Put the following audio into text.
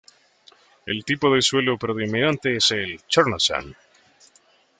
El tipo de suelo predominante es el "chernozem".